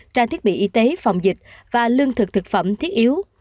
trang thiết bị y tế phòng dịch và lương thực thực phẩm thiết yếu